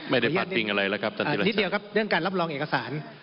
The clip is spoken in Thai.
ไม่ได้พลาดปริงอะไรแล้วครับนิดเดียวครับเรื่องการรับรองเอกสาร